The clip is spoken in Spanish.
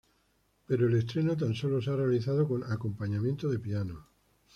Pero el estreno tan sólo se ha realizado con acompañamiento de piano.